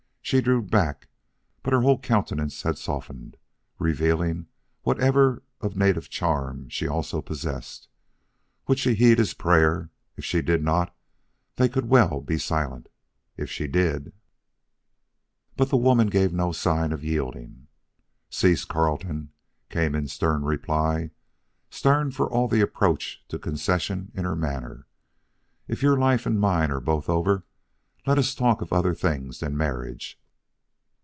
She drew back, but her whole countenance had softened, revealing whatever of native charm she also possessed. Would she heed his prayer? If she did not, they could well be silent. If she did But the woman gave no sign of yielding. "Cease, Carleton," came in stern reply stern for all the approach to concession in her manner. "If your life and my life are both over, let us talk of other things than marriage.